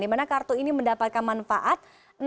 dimana kartu ini mendapatkan manfaat